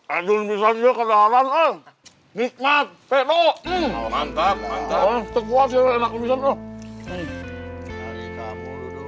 adun bisa juga dalam al bismat pedo mantap mantap